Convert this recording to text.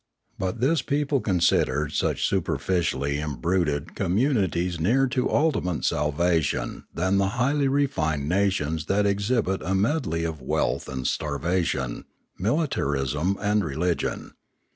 But this people considered such superficially embruted com Polity 533 munities nearer to ultimate salvation than the highly refined nations that exhibit a medley of wealth and starvation, militarism and religion.